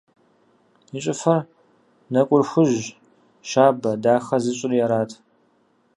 Я щӏыфэр, нэкӏур хужь, щабэ, дахэ зыщӏри арат.